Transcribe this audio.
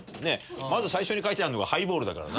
まず最初に書いてあるのがハイボールだからな。